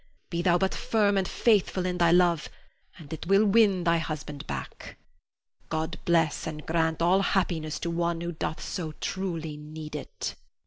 Be thou but firm and faithful in thy love and it will win thy husband back. God bless and grant all happiness to one who doth so truly need it.